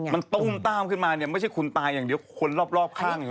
มันตุ้มต้ามขึ้นมาเนี่ยไม่ใช่คุณตายอย่างเดียวคนรอบข้างเนี่ย